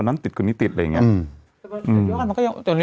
หมดเลย